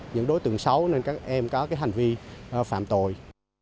những đối tượng xấu nên các em có hành vi phạm tội